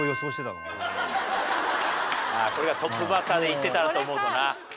ああこれがトップバッターでいってたらと思うとな。